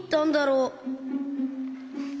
うん。